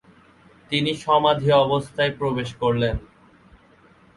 তিনি সমাধি অবস্থায় প্রবেশ করলেন।